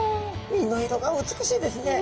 身の色が美しいですね。